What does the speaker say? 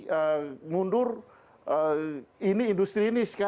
kita punya pengalaman di patriotisi kalau misalnya jadi bahwa indonesia nyetir kuilnya priestrikan